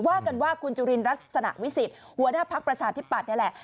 ว่ากันว่าคุณจุรินรัฐสนาวิสิตหัวหน้าภาคประชาธิปัตย์นี่แหละ